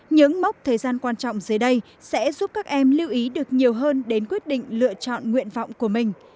những mốc thời gian quan trọng dưới đây sẽ giúp các em lưu ý được nhiều hơn đến quyết định lựa chọn nguyện vọng của mình